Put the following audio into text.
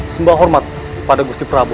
semua hormat pada gusti prabowo